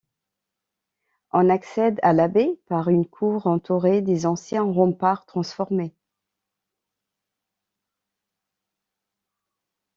On accède à l'abbaye par une cour entourée des anciens remparts transformés.